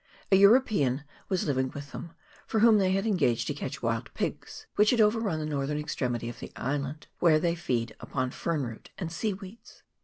A Eu ropean was living with them, for whom they had engaged to catch wild pigs, which have overrun the northern extremity of the island, where they feed upon fern root and sea weeds.